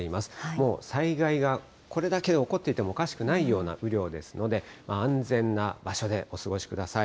もう災害がこれだけで起こっていてもおかしくないような雨量ですので、安全な場所でお過ごしください。